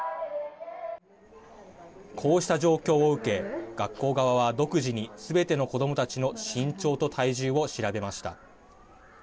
こうした状況を受け学校側は独自にすべての子どもたちの身長と体重を調べました。